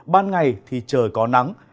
ban ngày thì trời có nắng